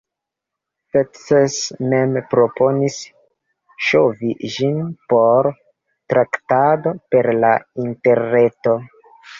Fettes mem proponis ŝovi ĝin por traktado per la interreto.